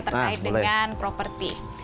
terkait dengan properti